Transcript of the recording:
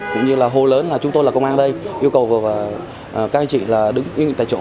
cũng như là hô lớn là chúng tôi là công an ở đây yêu cầu các anh chị là đứng yên tại chỗ